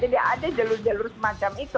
jadi ada jalur jalur semacam itu